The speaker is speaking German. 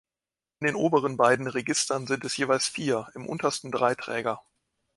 In den oberen beiden Registern sind es jeweils vier, im untersten drei Träger.